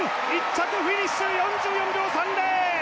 １着フィニッシュ４４秒３０！